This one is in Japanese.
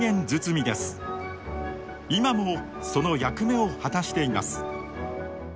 今もその役目を果たしています。